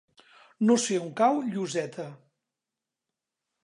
No sé on cau Lloseta.